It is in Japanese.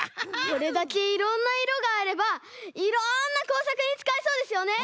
これだけいろんないろがあればいろんなこうさくにつかえそうですよね！